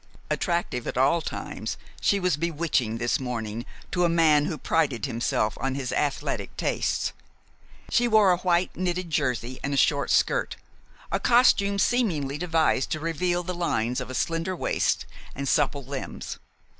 Attractive at all times, she was bewitching that morning to a man who prided himself on his athletic tastes. She wore a white knitted jersey and a short skirt, a costume seemingly devised to reveal the lines of a slender waist and supple limbs.